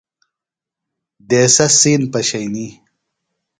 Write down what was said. دیسہ سِین پشئنی۔